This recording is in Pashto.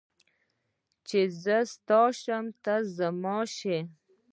چې زه ستا شم ته زما شې